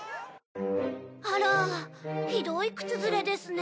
あらひどい靴擦れですね。